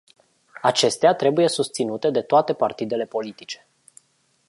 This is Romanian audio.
Acestea trebuie susținute de toate partidele politice.